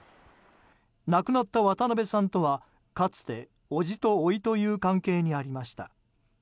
亡くなった渡辺さんとはかつて、伯父とおいという関係にありました。